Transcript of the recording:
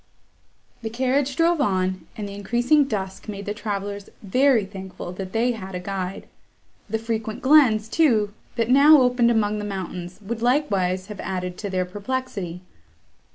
The carriage drove on, and the increasing dusk made the travellers very thankful that they had a guide; the frequent glens, too, that now opened among the mountains, would likewise have added to their perplexity.